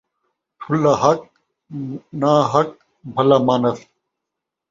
ٹھُلا حق ناں حق بھلا مانس